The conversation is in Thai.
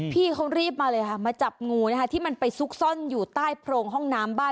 พี่เขารีบมาเลยค่ะมาจับงูนะคะที่มันไปซุกซ่อนอยู่ใต้โพรงห้องน้ำบ้าน